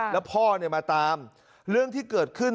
แล้วพ่อมาตามเรื่องที่เกิดขึ้น